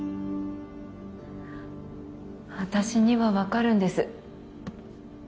私には分かるんです